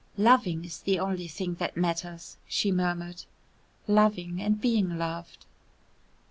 "Loving is the only thing that matters," she murmured, "loving and being loved."